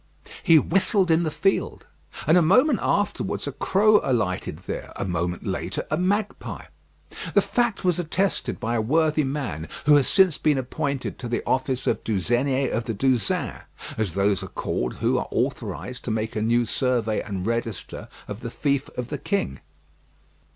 He whistled in the field, and a moment afterwards a crow alighted there; a moment later, a magpie. The fact was attested by a worthy man who has since been appointed to the office of Douzenier of the Douzaine, as those are called who are authorised to make a new survey and register of the fief of the king.